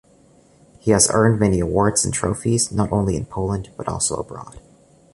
He has earned many awards and trophies, not only in Poland, but also abroad.